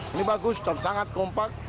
ini bagus dan sangat kompak